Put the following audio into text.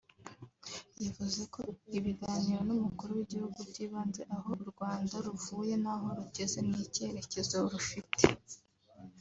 yavuze ko ibiganiro n’Umukuru w’igihugu byibanze aho u Rwanda ruvuye n’aho rugeze n’icyerekezo rufite